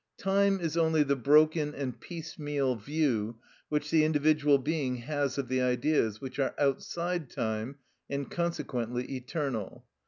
Time is only the broken and piecemeal view which the individual being has of the Ideas, which are outside time, and consequently eternal.